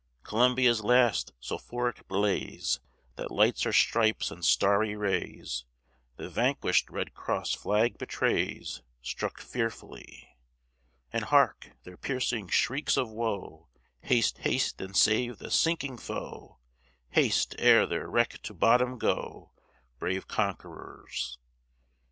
Columbia's last sulphuric blaze, That lights her stripes and starry rays, The vanquish'd red cross flag betrays, Struck fearfully. And, hark! their piercing shrieks of wo! Haste, haste and save the sinking foe: Haste, e'er their wreck to bottom go, Brave conquerors.